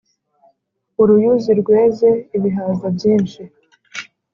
uruyuzi rweze ibihaza byinshi